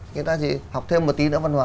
người ta chỉ học thêm một tí nữa văn hóa